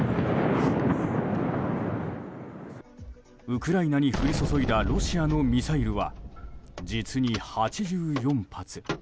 ウクライナに降り注いだロシアのミサイルは実に８４発。